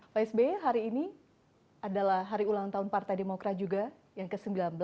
pak sby hari ini adalah hari ulang tahun partai demokrat juga yang ke sembilan belas